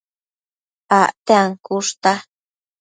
Acte ancushta